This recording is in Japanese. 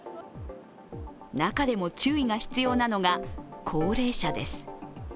中でも注意が必要なのが高齢者です。